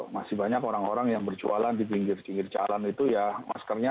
masih banyak orang orang yang berjualan di pinggir pinggir jalan itu ya maskernya